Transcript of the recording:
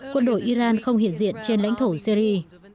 quân đội iran không hiện diện trên lãnh thổ syri